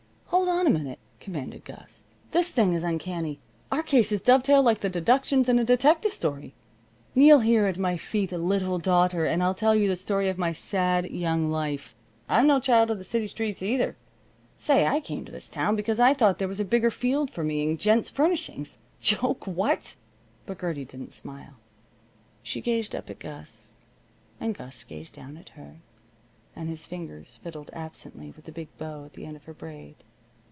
"Hold on a minute," commanded Gus. "This thing is uncanny. Our cases dovetail like the deductions in a detective story. Kneel here at my feet, little daughter, and I'll tell you the story of my sad young life. I'm no child of the city streets, either. Say, I came to this town because I thought there was a bigger field for me in Gents' Furnishings. Joke, what?" But Gertie didn't smile. She gazed up at Gus, and Gus gazed down at her, and his fingers fiddled absently with the big bow at the end of her braid.